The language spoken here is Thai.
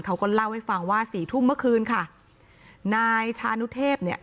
เขาก็เล่าให้ฟังว่าสี่ทุ่มเมื่อคืนค่ะนายชานุเทพเนี่ย